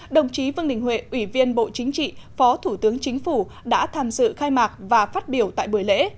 đồng chí vương đình huệ ủy viên bộ chính trị phó thủ tướng chính phủ đã tham dự khai mạc và phát biểu tại buổi lễ